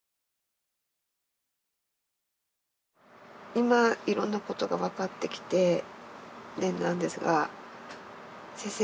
今いろんなことが分かってきてねなんですがうん。